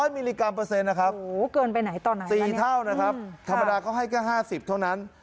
๒๐๐มิลลิกรัมเปอร์เซ็นต์นะครับสี่เท่านะครับธรรมดาเขาให้แค่๕๐เท่านั้น